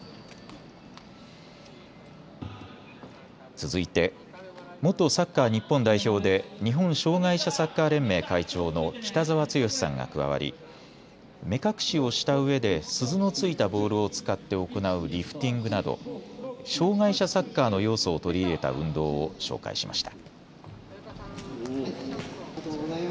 続いて元サッカー日本代表で日本障がい者サッカー連盟会長の北澤豪さんが加わり、目隠しをしたうえで鈴のついたボールを使って行うリフティングなど障害者サッカーの要素を取り入れた運動を紹介しました。